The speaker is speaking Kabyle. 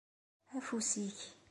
Afus-ik.